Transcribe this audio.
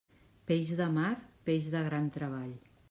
Peix de mar, peix de gran treball.